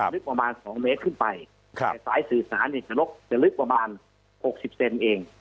ลึกประมาณ๒เมตรขึ้นไปแต่สายสื่อสารเนี่ยจะลึกประมาณ๖๐เซนเอง